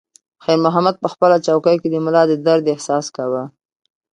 خیر محمد په خپله چوکۍ کې د ملا د درد احساس کاوه.